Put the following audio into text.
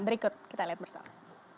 berikut kita lihat bersama